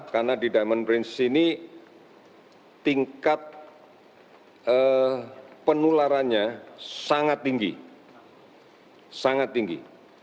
karena di diamond princess ini tingkat penularannya sangat tinggi sangat tinggi